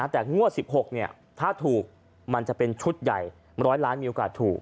แต่งวด๑๖ถ้าถูกมันจะเป็นชุดใหญ่๑๐๐ล้านมีโอกาสถูก